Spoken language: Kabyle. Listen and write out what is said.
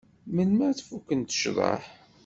Melmi ad fukkent cḍeḥ?